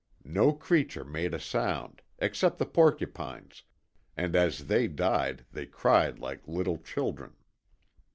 No creature made a sound except the porcupines; and as they died they cried like little children.